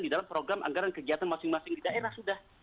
di dalam program anggaran kegiatan masing masing di daerah sudah